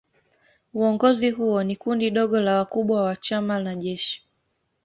Uongozi huo ni kundi dogo la wakubwa wa chama na jeshi.